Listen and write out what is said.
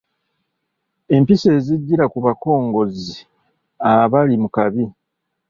Empisa ezijjira ku bakongozzi abali mu kabi.